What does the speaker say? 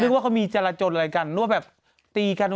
นึกว่าเขามีจรจรอะไรกัน